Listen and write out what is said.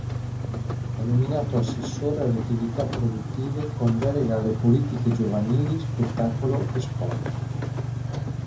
È nominato Assessore alle Attività Produttive con delega alle Politiche Giovanili, Spettacolo e Sport.